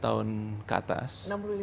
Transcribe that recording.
enam puluh lima tahun ke atas